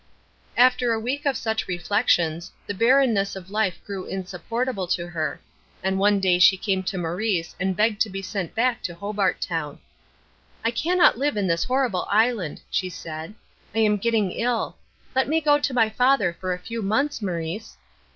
After a week of such reflections, the barrenness of life grew insupportable to her, and one day she came to Maurice and begged to be sent back to Hobart Town. "I cannot live in this horrible island," she said. "I am getting ill. Let me go to my father for a few months, Maurice."